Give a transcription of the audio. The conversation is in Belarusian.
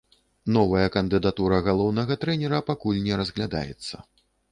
Новая кандыдатура галоўнага трэнера пакуль не разглядаецца.